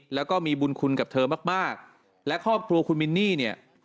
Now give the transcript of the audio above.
แล้วก็มีบุญคุณกับเธอมากมากและครอบครัวคุณมินนี่เนี่ย